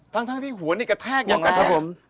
ทั้งที่หัวนี่กระแทกอย่างนั้นครับผม